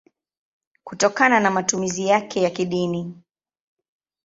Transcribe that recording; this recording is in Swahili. kutokana na matumizi yake ya kidini.